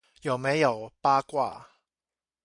有沒有八卦